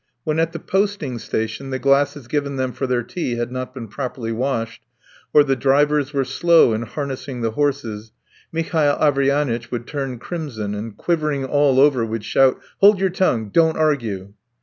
When at the posting station the glasses given them for their tea had not been properly washed, or the drivers were slow in harnessing the horses, Mihail Averyanitch would turn crimson, and quivering all over would shout: "Hold your tongue! Don't argue!"